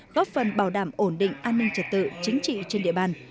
góp phần bảo đảm ổn định an ninh trật tự chính trị trên địa bàn